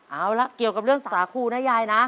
เอาละเกี่ยวกับเรื่องสาครูนะยายนะ